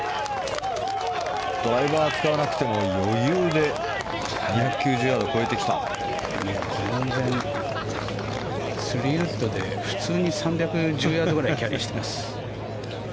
ドライバーを使わなくても余裕で２９０ヤードを全然３ウッドで普通に３１０ヤードくらいキャリーしてます。